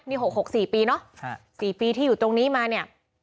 นี่หกหกสี่ปีเนอะสี่ปีที่อยู่ตรงนี้มาเนี่ย